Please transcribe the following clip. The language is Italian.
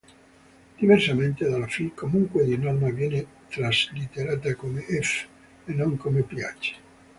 Diversamente dalla fi, comunque, di norma viene traslitterata come "f", e non come "ph".